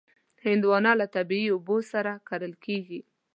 هندوانه له طبعي اوبو سره کرل کېږي.